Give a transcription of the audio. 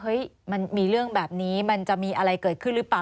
มันมีเรื่องแบบนี้มันจะมีอะไรเกิดขึ้นหรือเปล่า